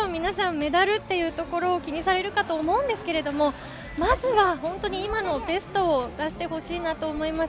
メダルというところを気にされるかと思うんですけれども、まずは今のベストを出してほしいなと思います。